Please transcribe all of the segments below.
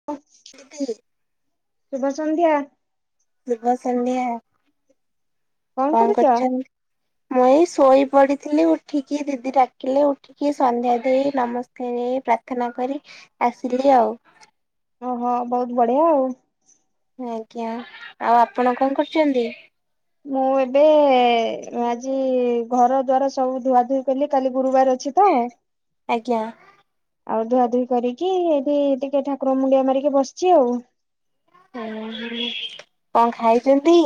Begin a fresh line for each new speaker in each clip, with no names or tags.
ହ [unintelligible]
ଶୁଭ ସନ୍ଧ୍ୟା।
ଶୁଭସନ୍ଧ୍ୟା କଣ କରୁଚନ୍ତି।
ହ।
ଏଇ ଶୋଇ ପଡିଥିଲି ଉଠିକି ଦିଦି ଡାକିଲେ ଉ ଟିକିଏ ସନ୍ଧ୍ୟା ଦେଇ ନମସ୍କାର ହେଇ ପ୍ରାର୍ଥନା କରି ଆସିଲି ଆଉ।
ଓହୋ ବହୁତ ବଢିଆ ଆଉ।
ଆଜ୍ଞା ଆଉ ଆପଣ କଣ କରୁଛନ୍ତି।
ମୁଁ ଏବେ ଆଜି ଘର ଦ୍ୱାର ସବୁ ଧୁଆ ଧୁଇ କଲି କାଲି ଗୁରୁବାର ଅ ଅଛି ତ।
ଆଜ୍ଞା
ଆଉ ଧୁଆଧୁହି କରିକି ଏଠି ଟିକେ ଠାକୁର ମୁଣ୍ଡିଆ ମାରିକି ବସିଛି ଆଉ।
ଓହୋ କଣ ଖାଇଛନ୍ତି।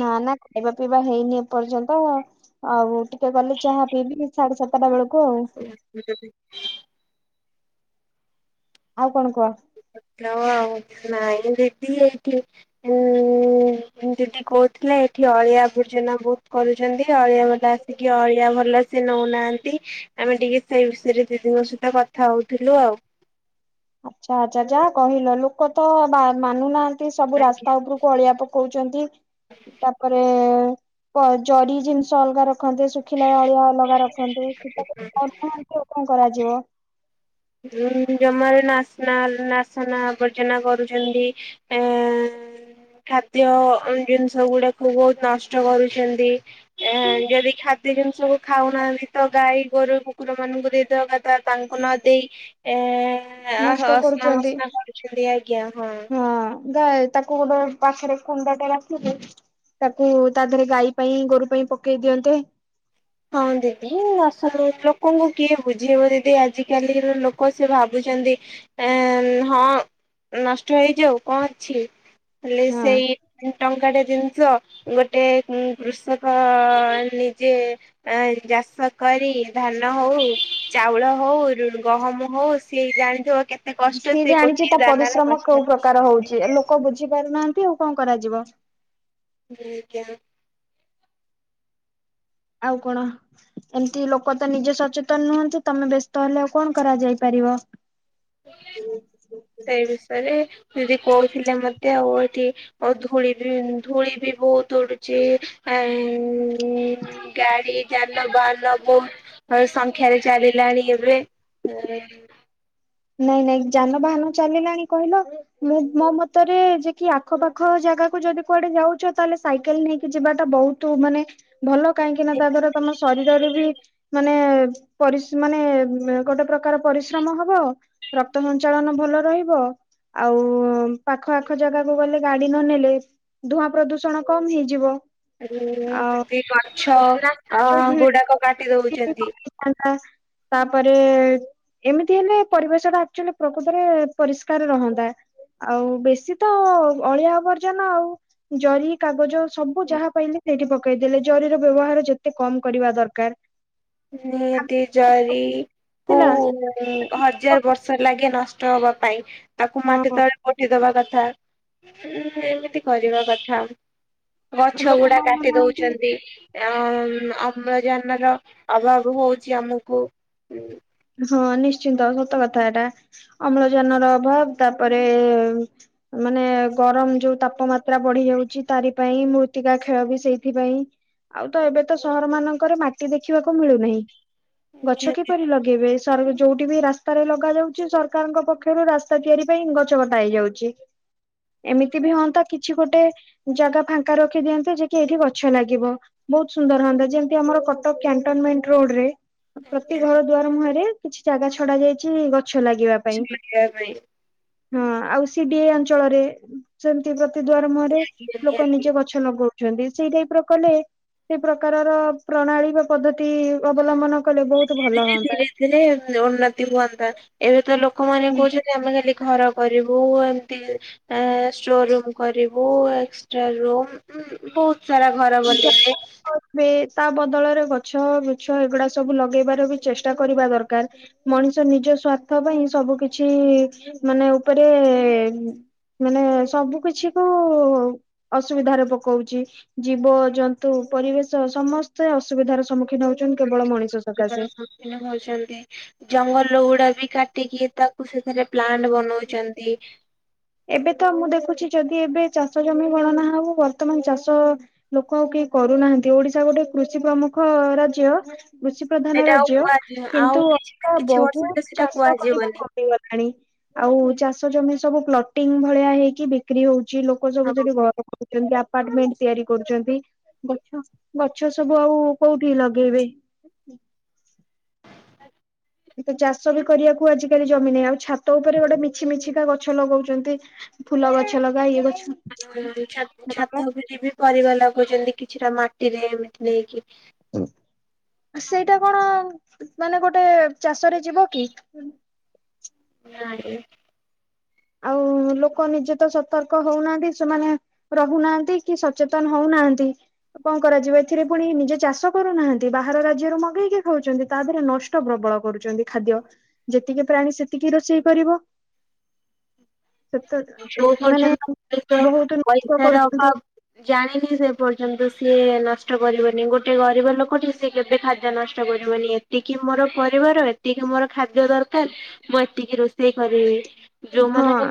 ନା ନା ଖାଇବା ପିଇବା ହେଇନି ଏପର୍ଯ୍ୟନ୍ତ। ଆଉ ଟିକେ ଗଲି ଚାହା ପିଇବି ସାଢେ ସାତଟା ବେଳକୁ ଆଉ।
[inaudible]
ଆଉ କଣ କୁହ।
କ୍ଲା ଆଉ ନାଇଁ ଦିଦି ବି ଏଇଠି। ଉଁ ଦିଦି କହୁଥିଲେ ଏଠି ଅଳିଆ ଆବର୍ଜନା ବହୁତ କରୁଛନ୍ତି ଅଳିଆ ଗଦା ଟିକେ ଅଳିଆ ଭଲ ସେ ନଉନାହାନ୍ତି। ଆମେ ଟିକେ ସେଇ ବିଷୟରେ ଦିଦିଙ୍କ ସହିତ କଥା ହଉଥିଲୁ ଆଉ।
ଆଚ୍ଛା ଆଚ୍ଛା ଯାହା କହିଲ ଲୋକ ତ ମା ମାନୁନାହାନ୍ତି ସବୁ
ଆଜ୍ଞା।
ରାସ୍ତା ଉପରୁ ଅଳିଆ ପକଉଚନ୍ତି। ତାପରେ ଜରି ଜିନିଷ ଅଲଗା ରଖନ୍ତେ ସୁଖିଲା ଅଳିଆ ଅଲଗା ରଖନ୍ତେ ସେଟା କଣ କରାଯିବ।
ଉଁ ଜମାରୁ ନାସନା ନାସନା ଆବର୍ଜନା କରୁଛନ୍ତି। ଆଁ ଖାଦ୍ୟ ଜିନିଷ ଗୁଡାକୁ ବହୁତ ନଷ୍ଟ କରୁଛନ୍ତି। ଏଁ ଯଦି ଖାଦ୍ୟ ଜିନିଷକୁ ଖାଉନାହାନ୍ତି ତ ଗାଈ ଗୋରୁ କୁକୁର ମାନଙ୍କୁ ଦେଇଦବା ତ ତାଙ୍କୁ ନ ଦେଇ ଏ
ନଷ୍ଟ
ଅସ୍ନା
କରୁଛନ୍ତି
ଫସ୍ନା କରୁଛନ୍ତି ଆଜ୍ଞା ହଁ।
ଗାଇ ତାକୁ ଗୋଟେ ପାଖରେ କୁଣ୍ଡ ଟେ ରଖିବେ। ତାକୁ ତା ଦେହରେ ଗାଈ ପାଇଁ ଗୋରୁ ପାଇଁ ପକେଇ ଦିଅନ୍ତେ।
ହଁ ଦିଦି ଆସୁ ଲୋକଙ୍କୁ କିଏ ବୁଝେଇବ ଦିଦି ଆଜିକାଲିର ଲୋକ ସେ ଭାବୁଛନ୍ତି ଏଁ ହଁ ନଷ୍ଟ ହେଇଯାଉ କଣ ଅଛି ହେଲେ
ହଁ
ସେଇ ଟଙ୍କାଟେ ଜିନିଷ ଗୋଟେ କୃଷକ ନିଜେ ତା ଏଇ ଚାଷ କରି ଧାନ ହଉ ଚାଉଳ ହଉ ଗହମ ହଉ ସିଏ ଜାଣିଥିବ କେ
ସିଏ ଜାଣିଚି ତା ପରିଶ୍ରମ କୋଉ ପ୍ରକାର ହଉଚି ଆ ଲୋକ ବୁଝି ପାରୁନାହାନ୍ତି ଆଉ କଣ କରାଯିବ।
ଜିଜ୍ଞା।
ଆଉ କଣ? ଏମତି ଲୋକ ତ ନିଜେ ସଚେତନ ନୁହନ୍ତି ତମେ ବ୍ୟସ୍ତ ହେଲେ ଆଉ କଣ କରାଯାଇ ପାରିବ। ହୁଁ।
ସେଇ ବିଷୟରେ ଦିଦି କହୁଥିଲେ ମତେ ଆଉ ଏଠି ଆଉ ଧୂଳି ବି ଧୂଳି ବି ବହୁତ୍ ଉଡ଼ୁଚି ଆ ଗାଡ଼ି ଯାନବାହାନ ବହୁତ୍ ସଂଖ୍ୟାରେ ଚାଲିଲାଣି ଏବେ ହୁଁ।
ନାଇଁ ନାଇଁ ଯାନବାହାନ ଚାଲିଲାଣି କହିଲ। ମୁଁ ମୋ ମତରେ ଯେକି ଆଖପାଖ ଜାଗାକୁ ଯଦି କୁଆଡ଼େ ଯାଉଚ ତାହେଲେ ସାଇକେଲ୍ ନେଇକି ଯିବାଟା ବହୁତ୍ ତୁ ମାନେ ଭଲ କାହିଁକି ନା ତା ଦ୍ଵାରା ତମ ଶରୀରରେ ବି ମାନେ ପରିସି ମାନେ ଗୋଟେ ପ୍ରକାର ପରିଶ୍ରମ ହବ। ରକ୍ତ ସଞ୍ଚାଳନ ଭଲ ରହିବ। ଆଉ ପାଖ ଆଖ ଜାଗାକୁ ଗଲେ ଗାଡ଼ି ନନେଲେ ଧୂଆଁ ପ୍ରଦୂଷଣ କମ୍ ହେଇଯିବ।
ଯେମିତି
ଆଉ
ଗଛ
ରାସ୍ତା
ଅ
ଯୋଉ ଭିଡ
ଗୁଡ଼ାକ କାଟି ଦଉଚନ୍ତି।
ହେଇଥାନ୍ତା ତାପରେ ଏମିତି ହେଲେ ପରିବେଶ ଟା ଆକଚୁଆଲି ପ୍ରକୃତରେ ପରିଷ୍କାର ରହନ୍ତା। ଆଉ ବେଶୀ ତ ଅଳିଆ ଆବର୍ଜନା ଆଉ ଜରି କାଗଜ ସବୁ ଯାହା ପାଇଲେ ସେଇଠି ପକେଇଦେଲେ ଜରିର ବ୍ୟବହାର ଯେତେ କମ କରିବା ଦରକାର୍।
ନିହାତି ଜରି କୁ
ଥିଲା
ମାନେ ହଜାର ବର୍ଷ ଲାଗେ ନ ନଷ୍ଟ ହବା ପାଇଁ ତାକୁ ମାଟି
ହଁ
ତଳେ ପୋତିଦବା କଥା। ଉଁ ଏମିତି କରିବା କଥା ଗଛ ଗୁଡ଼ା
ଲୋକମାନେ
କାଟି
ନାହାନ୍ତି
ଦଉଚନ୍ତି। ଆ ଅମ୍ଳଜାନର ଅଭାବ ହଉଚି ଆମକୁ
ହଁ ନିଶ୍ଚିନ୍ତ ସତ କଥା ଏଟା ଅମ୍ଳଜାନ ର ଅଭାବ ତାପରେ ମାନେ ଗରମ ଯୋଉ ତାପମାତ୍ରା ବଢି ଯାଉଚି ତାରି ପାଇଁ ମୃତ୍ତିକା ଖେଳ ବି ସେଇଥିପାଇଁ ଆଉ ତ ଏବେ ତ ସହର ମାନଙ୍କରେ ମାଟି ଦେଖିବାକୁ ମିଳୁନାହିଁ ଗଛ
ନିହାତି
କିପରି ଲଗେ ଏବେ ସ ଯୋଉଠି ବି ରାସ୍ତାରେ ଲଗା ଯାଉଚି ସରକାରଙ୍କ ପକ୍ଷରୁ ରାସ୍ତା ତିଆରି ପାଇଁ ଗଛ କଟା ହେଇଯାଉଚି। ଏମିତି ବି ହୁଅନ୍ତା କିଛି ଗୋଟେ ଜାଗା ଫାଙ୍କା ରଖିଦିଅନ୍ତେ ଯେ କି ଏଇଠି ଗଛ ଲାଗିବ। ବହୁତ୍ ସୁନ୍ଦର ହୁଅନ୍ତା ଯେମିତି ଆମର କଟକ କ୍ୟାଣ୍ଟନମେଣ୍ଟ ରୋଡ଼ରେ ପ୍ରତି ଘର ଦୁଆର ମୁହଁରେ କିଛି ଜାଗା ଛଡା ଯାଇଚି ଗଛ ଲାଗିବା ପାଇଁ।
କରିବା ପାଇଁ
ହଁ ଆଉ ସି ଡି ଆ ଇ ଅଞ୍ଚଳରେ ସେମିତି ପ୍ରତି ଦ୍ୱାର ମୁହରେ ଲୋକ
ନିହାତି
ନିଜ ଗ ଗଛ ଲଗଉଚନ୍ତି ସେଇ ଟାଇପ୍ ରେ କଲେ ସେ ପ୍ରକାରର ପ୍ରଣାଳୀ ବା ପଦ୍ଧତି ଅବଲମ୍ବନ କଲେ ବହୁତ ଭଲ ହୁଅନ୍ତା।
ଧୀରେ ଧୀରେ ଉନ୍ନତି ହୁଅନ୍ତା ଏବେ ତ ଲୋକମାନୋନେ
ହୁଁ।
କହୁଚ ଆମେ ଖାଲି ଘର କରିବୁ ଏମିତି ଷ୍ଟୋ ରୁମ୍ କରିବୁ ଏକ୍ସଟ୍ରା ରୁମ୍ ବହୁତ୍ ସାରା ଘର ବନେଇବେ।
[unintelligible] ତା ବଦଳରେ ଗଛ ବିଛ ଏଗୁଡ଼ା ସବୁ ଲଗେଇବାର ବି ଚେଷ୍ଟା କରିବା ଦରକାର୍। ମଣିଷ ନିଜ ସ୍ୱାର୍ଥ ପାଇଁ ସବୁ କିଛି ମାନେ ଉପରେ ମାନେ ସବୁ କିଛି କୁ ଅସୁବିଧାରେ ପକଉଚି। ଜୀବ ଜନ୍ତୁ ପରିବେଶ ସମସ୍ତେ ଅସୁବିଧାର ସମ୍ମୁଖୀନ ହଉଚନ୍ତି କେବଳ ମଣିଷ ସକାଶେ।
[unintelligible] ଜଙ୍ଗଲଗୁଡ଼ା ବି କାଟିକି ତାକୁ ସେଥିରେ ପ୍ଲାଣ୍ଟ ବନୋଉଚନ୍ତି।
ଏବେ ତ ମୁଁ ଦେଖୁଚି ଯଦି ଏବେ ଚାଷ ଜମି ଗଣନା ହବ ବର୍ତ୍ତମାନ ଚାଷ ଲୋକ ଆଉ କେହି କରୁନାହାଁନ୍ତି ଓଡିଶା ଗୋଟେ କୃଷି ପ୍ରମୁଖ ରାଜ୍ୟ କୃଷି ପ୍ରଧାନ
ସେଇଟା ଆଉ
ରାଜ୍ୟ
କୁହାଯିବ ଆଉ
କିନ୍ତୁ
କିଛି
ଅଧିକା
କିଛି ବର୍ଷ
ବହୁ
ଭିତରେ ସେଇଟା
ଚାଷ କରିବା
କୁହାଯିବନି।
କମି କମ ହେଇଗଲାଣି ଚାଷ ଜମି ସବୁ ପ୍ଲଟିଙ୍ଗ୍ ଭଳିଆ ହେଇକି ବି ବିକ୍ରି ହଉଛି ଲୋକ ସବୁ ସେଠି ଘର କରୁଛନ୍ତି ଆ ଆପାର୍ଟମଣ୍ଟ ତିଆରି କରୁଛନ୍ତି ଗ ଗଛ ସବୁ ଆଉ କୋଉଠି ଲଗେଇବେ। ତ ଚାଷ ବି କରିବାକୁ ଆଜିକାଲି ଜମି ନାହିଁ, ଆଉ ଛାତ ଉପରେ ଗୋଟେ ମିଛି ମିଛିକା ଗଛ ଲଗଉଛନ୍ତି। ଫୁଲ, ଗଛ ଲଗା ଇଏ ଗଛ।
ଛାତ ଛାତ ଉପରେ ଏବେ ପରିବା ଲଗାଉଛନ୍ତି କିଛିଟା ମାଟିରେ ଏମିତି ନେଇକି।
ସେଇଟା କଣ, ମାନେ ଗୋଟେ, ଚାଷରେ ଯିବ କି?
ନାହିଁ।
ଆଉ ଲୋକ ନିଜେ ତ ସତର୍କ ହଉନାହାନ୍ତି ସେମାନେ ରହୁନାହାନ୍ତି, କି ସଚେତନ ହଉନାହାନ୍ତି। କଣ କରାଯିବ, ଏଥିରେ ପୁଣି ନିଜେ ଚାଷ କରୁନାହାନ୍ତି। ବାହାର ରାଜ୍ୟରୁ ମଗେଇକି ଖାଉଛନ୍ତି, ତା ଦେହରେ ନଷ୍ଟ ନଷ୍ଟ ପ୍ରବଳ କରୁଛନ୍ତି ଖାଦ୍ୟ, ଯେତିକି ପ୍ରାଣୀ ସେତିକି ରୋଷେଇ କରିବ। ସେତ
ଯୋଉ
ମାନେ
ପର୍ଯ୍ୟନ୍ତ ପଇସା
ବହୁତ ନଷ୍ଟ
ପଇସାର
କରୁଛନ୍ତି
ଅଭାବ ଜାଣିନି ସେ ପର୍ଯ୍ୟନ୍ତ ସିଏ ନଷ୍ଟ କରିବନି, ଗୋଟେ ଗରିବ ଲୋକଟି ସିଏ କେବେ ଖାଦ୍ୟ ନଷ୍ଟ ନଷ୍ଟ କରିବନି। ଏତିକି ମୋର ପରିବାର, ଏତିକି ମୋର ଖାଦ୍ୟ ଦରକାର, ମୁଁ ଏତିକି ରୋଷେଇ କରିବି,।
ହଁ
ଯୋଉମାନଙ୍କୁ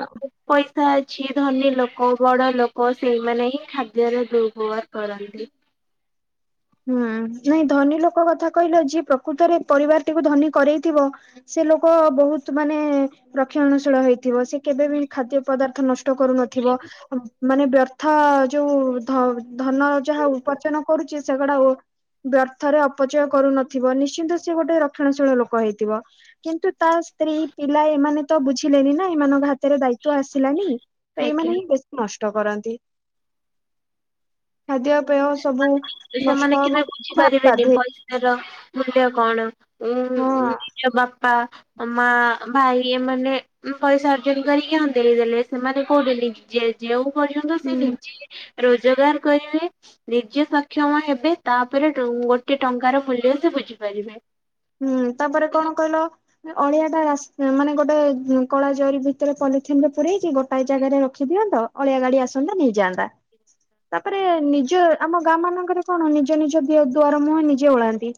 ପଇସା ଅଛି ଧନୀ ଲୋକ, ବଡ ଲୋକ, ସେଇମାନେ ହିଁ ଖାଦ୍ୟରେ ଦୁର୍ବବହାର କରନ୍ତି।
ହୁଁ ନାଇଁ ଧନୀ ଲୋକ କଥା କହିଲେ, ଯିଏ ପ୍ରକୃତରେ ପରିବାରଟିକୁ ଧନୀ କରେଇଥିବ, ସେ ଲୋକ ବହୁତ ମାନେ ରକ୍ଷଣଶୀଳ ହେଇଥିବ। ସେ କେବେ ବି ଖାଦ୍ୟ ପଦାର୍ଥ ନଷ୍ଟ କରୁନଥିବ। ମାନେ ବ୍ୟର୍ଥ ଯୋଉ ଧ ଧନ ଯାହା ଉପାର୍ଜନ କରୁଛି। ସେଗୁଡା ବ୍ୟର୍ଥରେ ଅପଚୟ କରୁନଥିବ, ନିଶ୍ଚିନ୍ତ ସେ ଗୋଟେ ରକ୍ଷଣ ଶୀଳ ଲୋକ ହେଇଥିବ। କିନ୍ତୁ ତା ସ୍ତ୍ରୀ ପିଲା ଏମାନେ ତ ବୁଝିଲେନି ନା ଏମାନଙ୍କ ହାତ ରେ ଦାୟିତ୍ବ ଆସିଲାନି, ତ
ଆଜ୍ଞା।
ଏଇମାନେ ହିଁ ବେଶୀ ନଷ୍ଟ କରନ୍ତି। ଖାଦ୍ୟ ପେୟ ସବୁ ନଷ୍ଟ
ସେମାନେ କିରା ବୁଝି ପାରିବେନି
ବାଧ୍ୟ
ପଇ ପଇସାର ମୂଲ୍ୟ କଣ ଉ
ହଁ
ନିଜ ବାପ ବାପା ମା ଭାଇ ଏମାନେ ପଇସା ଅର୍ଜନ କରିକି ହଁ ଦେଇଦେଲେ ସେମାନେ କହୁଛନ୍ତି। ଯେ ଯେଉଁ ପର୍ଯ୍ୟନ୍ତ ସେ
ହୁଁ
ନିଜେ ରୋଜଗାର କରିବେ, ନିଜେ ସକ୍ଷମ ହେବେ, ତାପରେ ଗୋଟେ ଟଙ୍କାର ମୂଲ୍ୟ ସେ ବୁଝିପାରିବେ।
ହୁଁ। ତାପରେ କଣ କହିଲ? ଅଳିଆ ଟା ମାନେ ଗୋଟେ କଳା ଜରି ଭିତରେ ପଲିଥିନରେ ପୁରରେଇକି ଗୋଟାଏ ଜାଗାରେ ରଖିଦିଅନ୍ତ। ଅଳିଆ ଗାଡି ଆସନ୍ତା ନେଇ ଯାଆନ୍ତା। ତାପରେ ନିଜ ଆମ ଗାଁମାନଙ୍କରେ କଣ ନିଜ ନିଜ ଦୁଆର ମୁହଁ ନିଜେ ଓଳାନ୍ତି।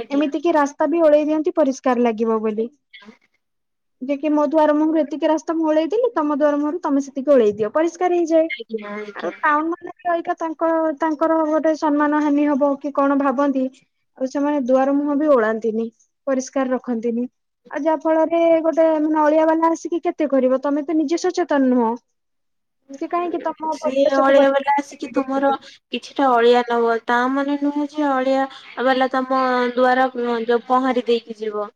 ଆଜ୍ଞା
ଏମିତି କିି ରାସ୍ତା ବି ଓଳେଇ ଦିଅନ୍ତି ପରିଷ୍କାର ଲାଗିବ ବୋଲି।
[unintelligible]
ଯେ କି ମୋ ଦ୍ୱାଆର ମୁହଁ ଏତିକି ରାସ୍ତା ମୁ ଉଳେଇଦେଲି ତମ ଦ୍ୱାର ମୁହଁ ତମେ ଓଲେଇ ଦିଅ ପରିଷ୍କାର ହେଇଯାଏ
ଆଜ୍ଞା
ଆ
ଆଜ୍ଞା
ଟାଉନମାନେ ଏଇଟା ତାଙ୍କର ତାଙ୍କର ଗୋଟେ ସମ୍ମାନ ହାନି ହବ କି କଣ ଭାବନ୍ତି। ଆଉ ସେମାନେ ଦୁଆର ମୁହଁ ବି ଓଳାନ୍ତିନି, ପରିଷ୍କାର ରଖନ୍ତିନି। ଆଉ ଯାହା ଫଳରେ ଗୋଟେ ମାନେ ଅଳିଆ ବାଲା ଆସିକି କେତେ କରିବ ତମେ ତ ନିଜେ ସଚେତନ ନୁହଁ। [unintelligible] କାହିଁକି ତମ
ସିଏ
ପରିବେଶକୁ
ଅଳିଆ ବାଲା
ପରିଷ୍କାର
ଆସିକି ତୁମର କିଛିଟା ଅଳିଆ ନବ, ତା ମନେ ନୁହେଁ ଯେ ଅଳିଆ ବାଲା ତମ ଦୁଆର ପହଁରି ଦେଇକି ଯିବ।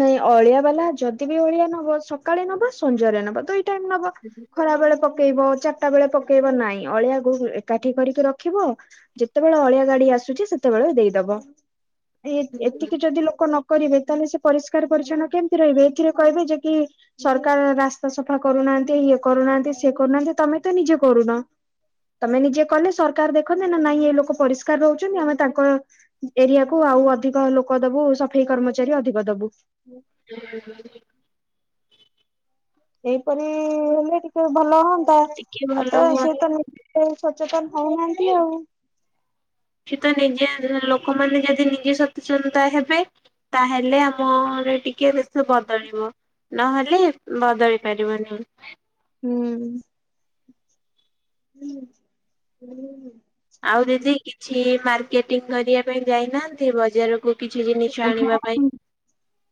ନାଇଁ ଅଳିଆ ବାଲା ଯଦି ବି ଅଳିଆ ନବ ସକାଳେ ନବ, ସଞ୍ଜରେ ନବ, ଦୁଇ ଟାଇମ୍ ନବ।
ହୁଁ ହୁଁ [unintelligible]
ଖରା ବେଳେ ପକେଇବ ଚାରିଟା ବେଳେ ପକେଇବ ନାଇଁ ଅଳିଆକୁ ଏକାଠି କରିକି ରଖିବ ଯେତେବେଳେ ଅଳିଆ ଗାଡ଼ି ଆସୁଚି ସେତେବେଳେ ଦେଇଦବ। ଏ ଏତିକି ଯଦି ଲୋକ ନ କରିବେ ତାହେଲେ ସେ ପରିଷ୍କାର ପରିଚଛନ କେମତି ରହିବେ ଏଥିରେ କହିବେ ଯେକି ସରକାର ରାସ୍ତା ସଫା କରୁନାହାନ୍ତି ଇଏ କରୁନାହାନ୍ତି ସେ କରୁନାହାନ୍ତି ତମେ ତ ନିଜେ କରୁନ। ତମେ ନିଜେ କଲେ ସରକାର ଦେଖନ୍ତେ ନା ନାଇଁ ଏ ଲୋକ ପରିଷ୍କାର ରହୁଚନ୍ତି ଆମେ ତାଙ୍କ ଏରିଆକୁୁ ଆଉ ଅଧିକ ଲୋକ ଦବୁ ସଫେଇ କର୍ମଚାରୀ ଅଧିକ ଦବୁ।
ହୁ। [unintelligible]
ଏଇପରି ହେଲେ ଟିକେ ଭଲ ହୁଅନ୍ତା
ଟିକେ
ଆଉ
ଭଲ
ତ ସେ
ହୁଅନ୍ତି।
ତ କେହି ସଚେତନ ହଉନାହାନ୍ତି ଆଉ।
ସେତ ନିଜେ ଲୋକମାନେ ଯଦି ନିଜେ ସଚେତନତା ହେବେ ତାହେଲେ ଆମର ଟିକେ ଦେଶ ବଦଳିବ‌। ନହେଲେ ବଦଳି ପାରିବନି।
ହୁଁ ହୁଁ। ହୁଁ ହୁଁ ହୁଁ।
ଆଉ ଦିଦି କିଛି ମାର୍କେଟିଂ କରିବା ପାଇଁ ଯାଇନାହାନ୍ତି ବଜାରକୁ? କିଛି ଜିନିଷ ଆଣିବା ପାଇଁ?
ହଁ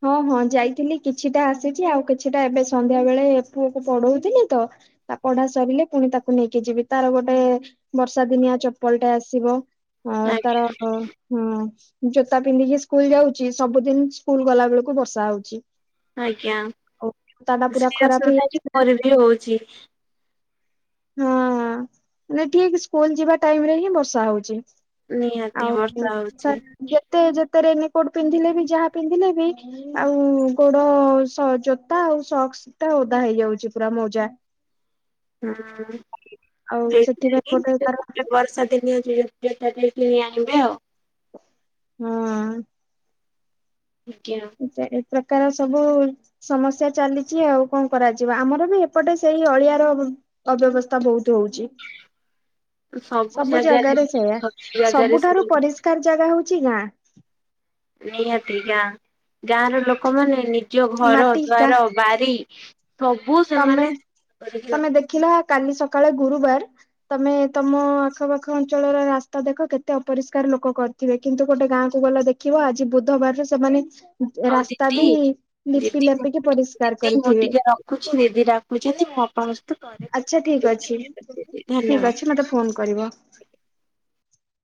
ହଁ ହଁ ଯାଇଥିଲି କିଛିଟା ଆସିଚି ଆଉ କିଛିଟା ଏବେ ସନ୍ଧ୍ୟା ବେଳେ ପୁଅକୁ ପଢଉଥିଲି ତ ତା ପଢା ସରିଲେ ପୁଣି ତାକୁ ନେଇକି ଯିବି ତାର ଗୋଟେ ବର୍ଷା ଦିନିଆ ଚପଲ୍ ଟେ ଆସିବ ଆଉ
ଆଜ୍ଞା
ତାର ହଁ ଜୋତା ପିନ୍ଧିକି ସ୍କୁଲ୍ ଯାଉଚି ସବୁ ଦିନ ସ୍କୁଲ୍ ଗଲାବେଳକୁ ବର୍ଷା ହଉଚି।
ଆଜ୍ଞା।
ପୁରା
ସେଇ
ଖରାପ
ଅସୁବିଧା
ହେଇଯାଉଛି।
ଆଜି ମୋରବି ହଉଚି।
ହଁ ମାନେ ଠିକ୍ ସ୍କୁଲ୍ ଯିବା ଟାଇମ୍ ରେ ହିଁ ବର୍ଷା ହଉଚି।
ନିହାତି ବର୍ଷା ହଉଚି।
ଯେତେ ଯେତେ ରେନିକୋଟ ପିନ୍ଧିଲେ ବି ଯାହା ପିନ୍ଧିଲେ ବି ଆଉ ଗୋଡ଼ ସ ଜୋତା ଆଉ ସକ୍ସଟା ଓଦା ହେଇଯାଉଚି ପୁରା ମଉଜା।
ହଁ
ଆଉ ସେଥିପାଇଁ
ହେଇତିନାଗି
ଗୋଟେ ତାର
ସେଇ ବର୍ଷା ଦିନ [unintelligible] କିଣି ଆଣିବେ ଆଉ।
ହଁ।
ଆଜ୍ଞା।
ଏ ଏ ପ୍ରକାର ସବୁ ସମସ୍ୟା ଚାଲିଚି ଆଉ କଣ କରାଯିବ ଆମର ବି ଏପଟେ ସେଇ ଅଳିଆର ଅବ୍ୟବସ୍ଥା ବହୁତୁ ହଉଚି। ସବୁ ଜାଗାରେ ସେଇୟା
ସବୁ ଜାଗାରେ ସେ
ସବୁଠାରୁ ପରିଷ୍କାର ଜାଗା ହଉଚି ଗାଁ।
ନିହାତି ଗାଁ ଗାଁର ଲୋକମାନେ ନିଜ ଘର
ମାଟି ଗାଁ
ଦ୍ୱାର ବାରି ସବୁ
ତମେ
ସେମାନେ କରିକି ରଖ
ତମେ ଦେଖିଲା କାଲି ସକାଳେ ଗୁରୁବାର ତମେ ତମ ଆଖପାଖ ଅଞ୍ଚଳର ରାସ୍ତା ଦେଖ କେତେ ଅପରିଷ୍କାର ଲୋକ କରି ଜିବେ କିନ୍ତୁ ଗୋଟେ ଗାଁକୁ ଗଲା ଦେଖିବ ଆଜି ବୁଧବାର ର ସେମାନେ
ଆଉ
ରାସ୍ତା
ଦିଦି
ବି ଲିପି ଲାପିକି ପରିଷ୍କାର କରିଥିବେ।
ରଖୁଚି ଦିଦି ଡାକୁଚନ୍ତି ମୁଁ ଆପଣଙ୍କ ସହିତ ପରେ
ଆଚ୍ଛା ଠିକ ଅଛି
କଥା
ଠିକ
ଧନ୍ୟବାଦ [unintelligible]
ଅଛି ମତେ ଫୋନ କରିବ।